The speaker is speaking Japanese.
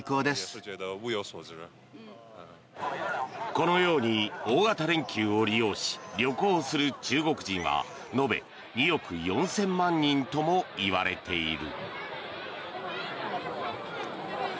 このように大型連休を利用し旅行する中国人は延べ２億４０００万人ともいわれている。